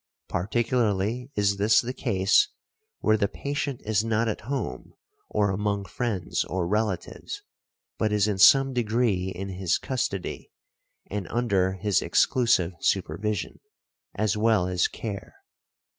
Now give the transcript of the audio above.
Particularly is this the case where the patient is not at home or among friends or relatives, but is in some degree in his custody and under his exclusive supervision, as well as care.